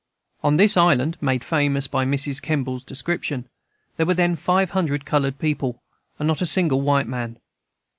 On this island (made famous by Mrs. Kemble's description) there were then five hundred colored people, and not a single white man.